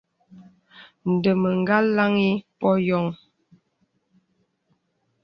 Ndə mə kà laŋì pɔ̄ɔ̄ yɔŋ.